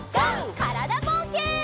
からだぼうけん。